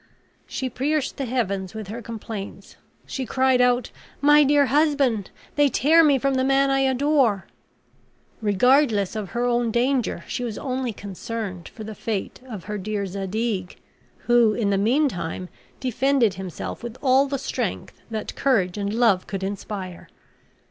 She pierced the heavens with her complaints. She cried out, "My dear husband! they tear me from the man I adore." Regardless of her own danger, she was only concerned for the fate of her dear Zadig, who, in the meantime, defended himself with all the strength that courage and love could inspire.